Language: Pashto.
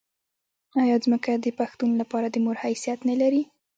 آیا ځمکه د پښتون لپاره د مور حیثیت نلري؟